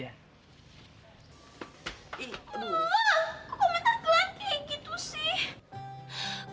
wah kok komentar gelanteng gitu sih